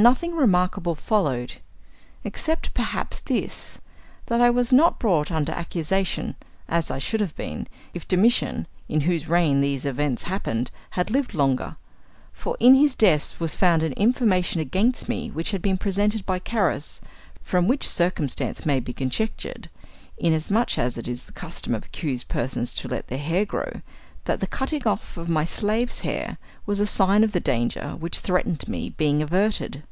Nothing remarkable followed, except, perhaps, this, that I was not brought under accusation, as I should have been, if Domitian (in whose reign these events happened) had lived longer. For in his desk was found an information against me which had been presented by Carus; from which circumstance may be conjectured inasmuch as it is the custom of accused persons to let their hair grow that the cutting off of my slaves' hair was a sign of the danger which threatened me being averted.